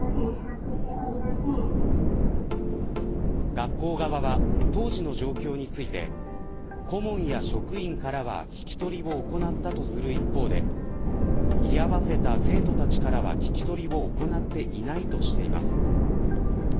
学校側は当時の状況について顧問や職員からは聞き取りを行ったとする一方で居合わせた生徒たちからは聞き取りを行っていないとしています。